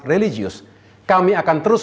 religius kami akan terus